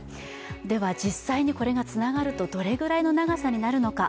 では実際にこれがつながるとどれくらいの長さになるのか。